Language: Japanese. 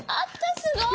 すごい！